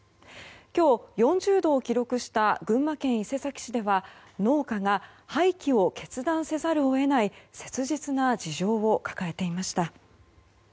今日、４０度を記録した群馬県伊勢崎市では農家が廃棄を決断せざるを得ない切実な事情を抱えていました。